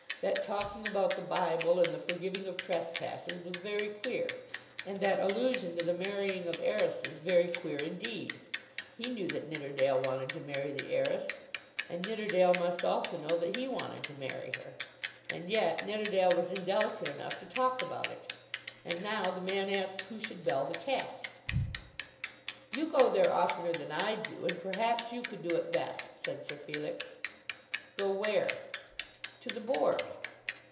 That talking about the Bible, and the forgiving of trespasses, was very queer; and that allusion to the marrying of heiresses very queer indeed. He knew that Nidderdale wanted to marry the heiress, and Nidderdale must also know that he wanted to marry her. And yet Nidderdale was indelicate enough to talk about it! And now the man asked who should bell the cat! "You go there oftener than I do, and perhaps you could do it best," said Sir Felix. "Go where?" "To the Board."